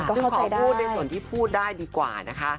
ซึ่งขอพูดในส่วนที่พูดได้ดีกว่านะคะ